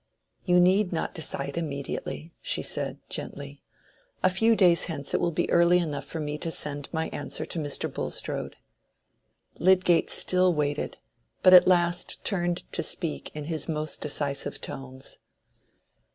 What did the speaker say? "You need not decide immediately," she said, gently. "A few days hence it will be early enough for me to send my answer to Mr. Bulstrode." Lydgate still waited, but at last turned to speak in his most decisive tones.